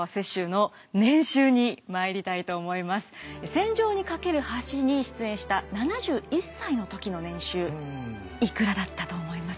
「戦場にかける橋」に出演した７１歳の時の年収いくらだったと思いますか。